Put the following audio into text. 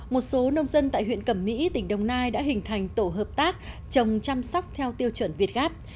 một số nông dân tại huyện cẩm mỹ tỉnh đồng nai đã hình thành tổ hợp tác trồng chăm sóc theo tiêu chuẩn việt gáp